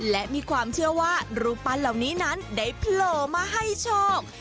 และมีความเชื่อว่ารูปปั้นเหล่านี้นั้นได้โผล่มาให้โชค